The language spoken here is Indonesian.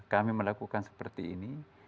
kami melakukan seperti ini